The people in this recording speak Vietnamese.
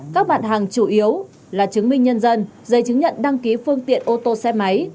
các bản hàng chủ yếu là chứng minh nhân dân giấy chứng nhận đăng ký phương tiện ô tô xe máy